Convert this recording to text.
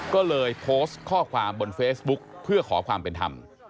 ก็เลยโพสต์ข้อความบนเฟซบุ๊กเพื่อขอความเป็นธรรม